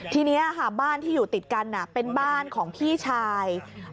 ทีนี้ค่ะบ้านที่อยู่ติดกันเป็นบ้านของพี่ชาย